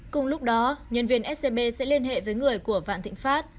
cùng lúc đó nhân viên scb sẽ liên hệ với người của vạn thịnh pháp